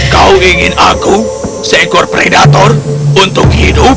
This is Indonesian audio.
kau ingin aku seekor predator untuk hidup